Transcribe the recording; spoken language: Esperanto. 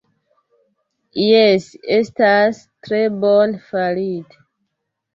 Jes, estas tre bone farite